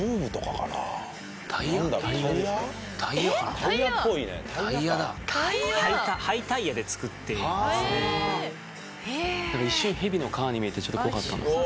これ一瞬ヘビの皮に見えてちょっと怖かったんですよ。